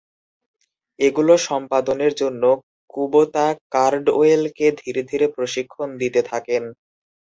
এগুলো সম্পাদনের জন্য কুবোতা কার্ডওয়েলকে ধীরে ধীরে প্রশিক্ষণ দিতে থাকেন।